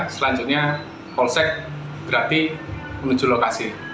selanjutnya polsek berarti menuju lokasi